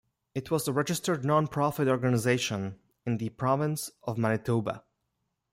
It was a registered non-profit organization in the province of Manitoba.